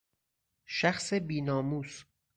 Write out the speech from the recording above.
شخص بی ناموس